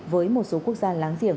với một số quốc gia láng giềng